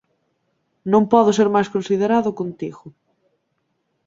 Non podo ser máis considerado contigo.